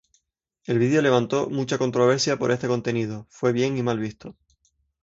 El vídeo levantó mucha controversia por este contenido, fue bien y mal visto.